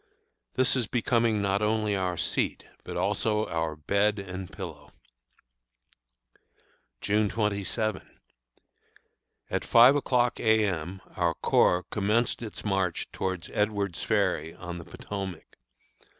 This is becoming not only our seat, but also our bed and pillow. June 27. At five o'clock A. M. our corps commenced its march towards Edward's Ferry, on the Potomac.